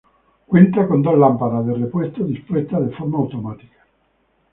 Cuenta con dos lámparas de repuesto dispuestas de forma automática.